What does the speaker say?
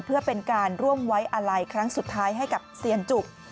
เพื่อเป็นการร่วมไว้อาลัยครั้งสุดท้ายให้กับเซียนจุก